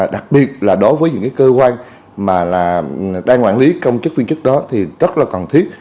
đặc biệt là đối với những cơ quan mà đang quản lý công chức viên chức đó thì rất là cần thiết